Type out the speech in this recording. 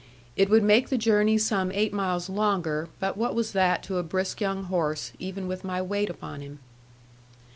It would make the journey some eight miles longer, but what was that to a brisk young horse, even with my weight upon him?